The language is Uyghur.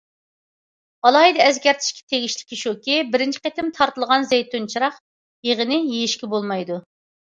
ئالاھىدە ئەسكەرتىشكە تېگىشلىكى شۇكى، بىرىنچى قېتىم تارتىلغان زەيتۇن چىراغ يېغىنى يېيىشكە بولمايدۇ.